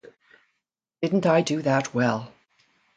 Didn't I do that well?